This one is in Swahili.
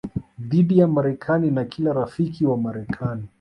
dhidi ya Marekani na kila rafiki wa Marekani